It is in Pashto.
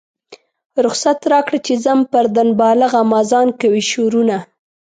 رخصت راکړه چې ځم پر دنباله غمازان کوي شورونه.